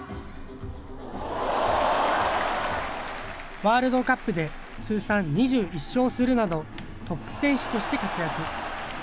ワールドカップで通算２１勝するなど、トップ選手として活躍。